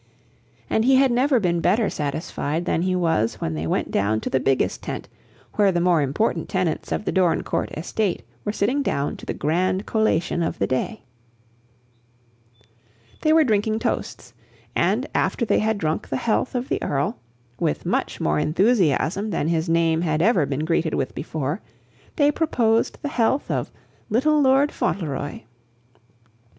And he had never been better satisfied than he was when they went down to the biggest tent, where the more important tenants of the Dorincourt estate were sitting down to the grand collation of the day. They were drinking toasts; and, after they had drunk the health of the Earl, with much more enthusiasm than his name had ever been greeted with before, they proposed the health of "Little Lord Fauntleroy."